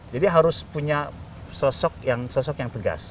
jadi harus punya sosok yang tegas